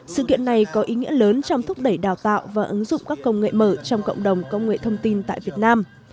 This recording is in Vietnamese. sự kiện này có ý nghĩa lớn trong thúc đẩy đào tạo và ứng dụng các công nghệ mở trong cộng đồng công nghệ thông tin tại việt nam